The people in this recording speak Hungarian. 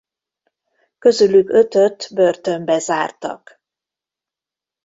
Közülük ötöt börtönbe zártak.